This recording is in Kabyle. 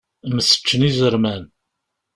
Mseččen izerman.